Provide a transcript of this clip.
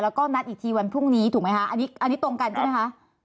แล้วก็นัดอีกทีวันพรุ่งนี้ถูกไหมคะอันนี้ตรงกันใช่ไหมคะ